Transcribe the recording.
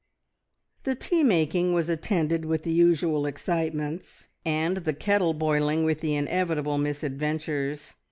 The tea making was attended with the usual excitements, and the kettle boiling with the inevitable misadventures.